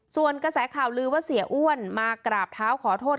ส่วนกระแสข่าวลือว่าเสียอ้วนมากราบเท้าขอโทษ